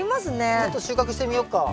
ちょっと収穫してみようか。